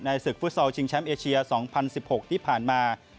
ศึกฟุตซอลชิงแชมป์เอเชีย๒๐๑๖ที่ผ่านมา